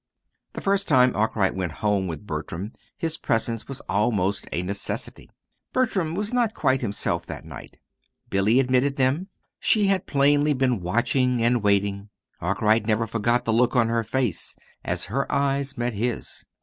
The first time Arkwright went home with Bertram, his presence was almost a necessity. Bertram was not quite himself that night. Billy admitted them. She had plainly been watching and waiting. Arkwright never forgot the look on her face as her eyes met his.